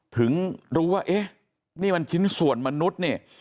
ถึงรู้ว่าเอ๊ะนี่มันชิ้นส่วนมนุษย์เนี่ย